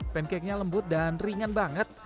pancake nya lembut dan ringan banget